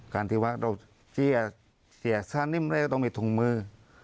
การที่ว่าเราเสียค่านิ่มเลยก็ต้องมีถุงมือ